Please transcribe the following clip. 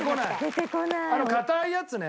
あの硬いやつね。